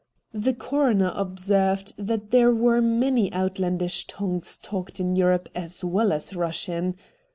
The coroner observed that there were many outlandish tongues talked in Europe as well as Eussian.